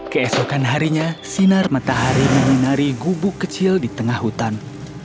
keesokan harinya sinar matahari menyinari gubuk kecil di tengah hutan